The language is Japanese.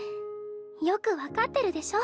よく分かってるでしょ